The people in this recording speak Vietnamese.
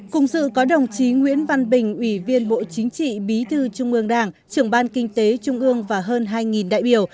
cùng dự có đồng chí nguyễn văn bình ủy viên bộ chính trị bí thư trung ương đảng trưởng ban kinh tế trung ương và hơn hai đại biểu